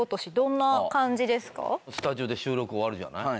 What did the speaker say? スタジオで収録終わるじゃない。